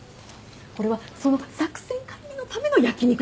これはその作戦会議のための焼き肉なんですから。